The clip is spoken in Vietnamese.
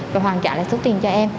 và hoàn trả lại số tiền cho em